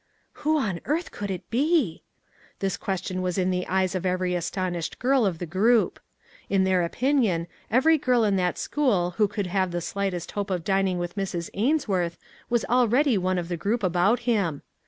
" Who on earth could it be ?" This question was in the eyes of every astonished girl of the group. In their opinion, every girl in that school who could have the slightest hope of dining with Mrs. Ainsworth was already one of the group about him.